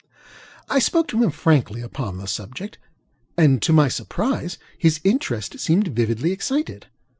I spoke to him frankly upon the subject; and, to my surprise, his interest seemed vividly excited.